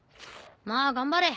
まあ頑張れ。